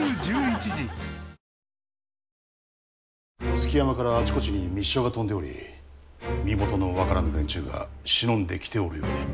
築山からあちこちに密書が飛んでおり身元の分からぬ連中が忍んできておるようで。